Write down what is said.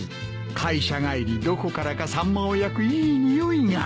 会社帰りどこからかサンマを焼くいい匂いが。